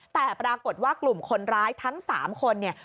แต่ปรากฏว่ากลุ่มคนร้ายทั้ง๓คนเนี่ย